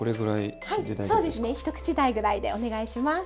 はいそうですね。一口大ぐらいでお願いします。